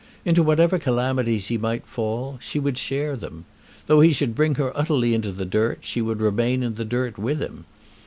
Into whatever calamities he might fall, she would share them. Though he should bring her utterly into the dirt, she would remain in the dirt with him.